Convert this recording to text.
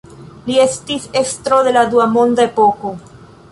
Li estis estro de la dua monda epoko.